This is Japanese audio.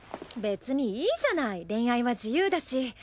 別にいいじゃない恋愛は自由だし。